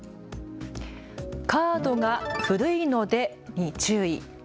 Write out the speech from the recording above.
カードが古いのでに注意。